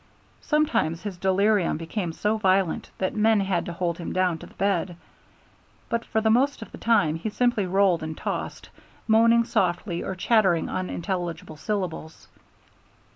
Sometimes his delirium became so violent that men had to hold him down to the bed, but for the most of the time he simply rolled and tossed, moaning softly or chattering unintelligible syllables.